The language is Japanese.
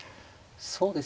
そうですね。